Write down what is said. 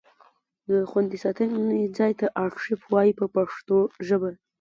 د خوندي ساتنې ځای ته ارشیف وایي په پښتو ژبه.